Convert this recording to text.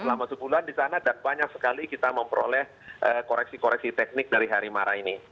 selama sebulan di sana dan banyak sekali kita memperoleh koreksi koreksi teknik dari harimara ini